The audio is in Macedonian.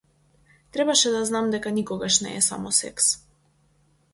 Требаше да знам дека никогаш не е само секс.